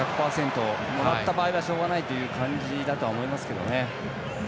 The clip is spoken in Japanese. もらった場合はしょうがないという感じだと思いますけどね。